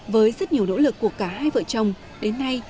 với rất nhiều nỗ lực của cả hai vợ chồng đến nay